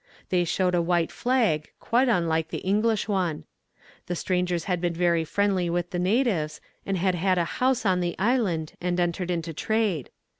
They showed a white flag, quite unlike the English one. The strangers had been very friendly with the natives, and had had a house on the island and entered into trade.